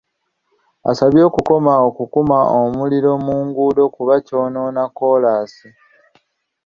Abasabye okukomya okukuma omuliro mu nguudo kuba kyonoona kkolaasi.